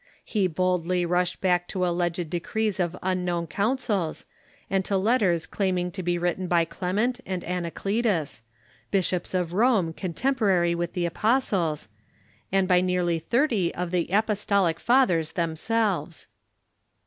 He boldly rushed back to alleged decrees of unknown councils, and to letters claiming to be written by Clement and Anacletus — bishops of Rome contemporarj'' with the Apostles — and by nearly thirty of the apostolic fathers themselves.